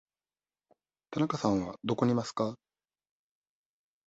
田中さんはどこにいますか。